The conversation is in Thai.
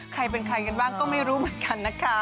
ใครเป็นใครกันบ้างก็ไม่รู้เหมือนกันนะคะ